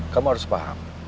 kamu harus paham